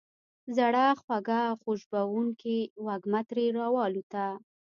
زړه خوږه او خوشبوونکې وږمه ترې را والوته.